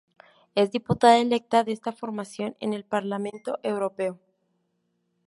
Es diputada electa de esta formación en el Parlamento europeo.